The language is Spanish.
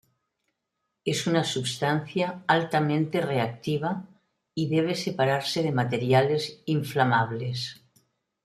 Es una sustancia altamente reactiva y debe separarse de materiales inflamables.